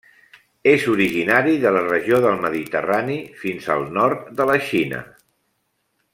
És originari de la regió del Mediterrani fins al nord de la Xina.